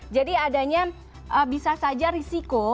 jadi adanya bisa saja risiko